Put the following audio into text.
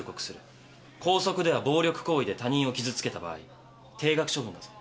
校則では暴力行為で他人を傷つけた場合停学処分だぞ。